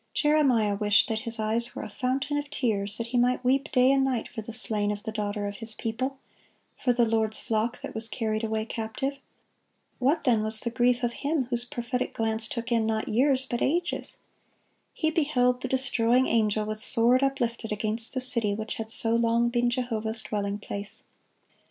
Jeremiah wished that his eyes were a fountain of tears, that he might weep day and night for the slain of the daughter of his people, for the Lord's flock that was carried away captive.(20) What, then, was the grief of Him whose prophetic glance took in, not years, but ages! He beheld the destroying angel with sword uplifted against the city which had so long been Jehovah's dwelling place.